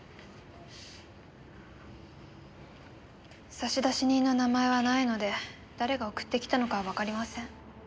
差出人の名前はないので誰が送ってきたのかはわかりません。